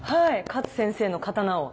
勝先生の刀を。